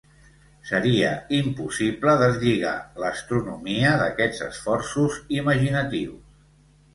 Seria impossible deslligar l’astronomia d’aquests esforços imaginatius.